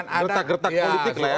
jadi gertak gertak politik lah ya